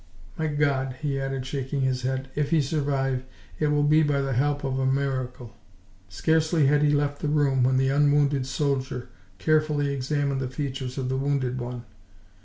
"My God!" he added, shaking his head, "if he survive, it will be by the help of a miracle." Scarcely had he left the room, when the unwounded soldier carefully examined the features of the wounded one.